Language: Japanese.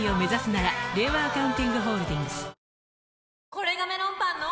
これがメロンパンの！